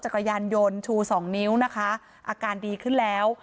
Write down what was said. กระยานยนต์ชูสองนิ้วนะคะอาการดีขึ้นแล้ว